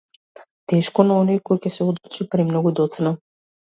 Тешко на оној кој ќе се одлучи премногу доцна.